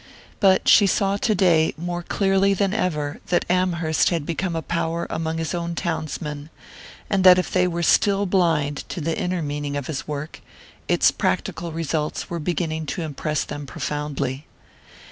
But she saw to day more clearly than ever that Amherst had become a power among his townsmen, and that if they were still blind to the inner meaning of his work, its practical results were beginning to impress them profoundly.